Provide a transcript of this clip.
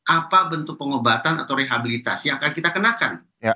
apa bentuk pengobatan atau rehabilitasi yang akan kita kenakan